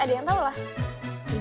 ada yang tau lah